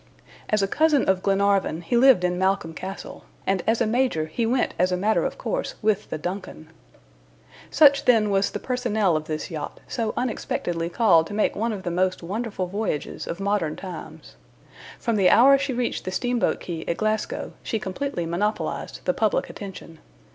As a cousin of Glenarvan, he lived in Malcolm Castle, and as a major he went as a matter of course with the DUNCAN. Such, then, was the PERSONNEL of this yacht, so unexpectedly called to make one of the most wonderful voyages of modern times. From the hour she reached the steamboat quay at Glasgow, she completely monopolized the public attention.